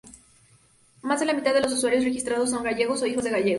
Más de la mitad de los usuarios registrados son gallegos o hijos de gallegos.